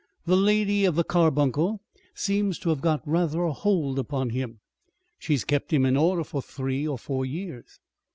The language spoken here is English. The Lady of the Carbuncle seems to have got rather a hold upon him. She has kept him in order for three or four years."